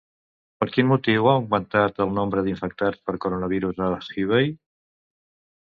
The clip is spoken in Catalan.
Per quin motiu ha augmentat el nombre d'infectats per coronavirus a Hubei?